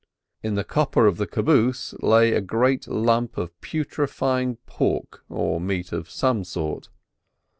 In the copper of the caboose lay a great lump of putrifying pork or meat of some sort.